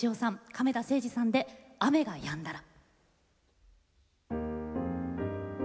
亀田誠治さんで「雨が止んだら」。